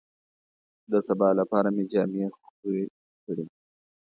د سبا لپاره مې جامې خوې کړې.